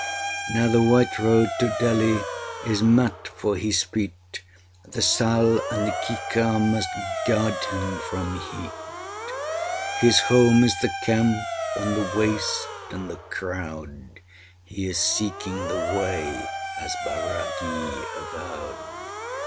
Now the white road to Delhi is mat for his feet, The sal and the kikar must guard him from heat; His home is the camp, and the waste, and the crowd He is seeking the Way as bairagi avowed!